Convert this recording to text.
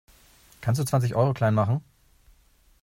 Kannst du zwanzig Euro klein machen?